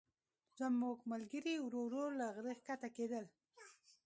زموږ ملګري ورو ورو له غره ښکته کېدل.